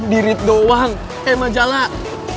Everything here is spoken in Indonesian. dirit doang kayak majalah